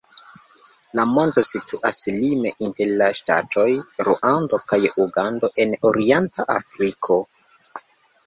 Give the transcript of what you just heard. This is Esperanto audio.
La monto situas lime inter la ŝtatoj Ruando kaj Ugando en orienta Afriko.